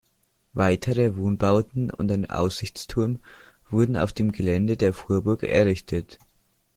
Weitere Wohnbauten und ein Aussichtsturm wurden auf dem Gelände der Vorburg errichtet.